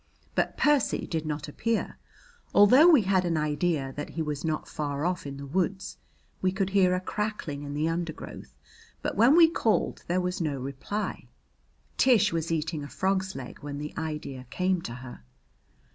But Percy did not appear, although we had an idea that he was not far off in the woods. We could hear a crackling in the undergrowth, but when we called there was no reply. Tish was eating a frog's leg when the idea came to her.